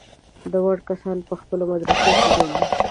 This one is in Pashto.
دا وړ کسان په خپله مدرسې جوړوي.